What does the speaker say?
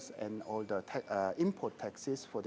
dan semua insentif untuk pemerintah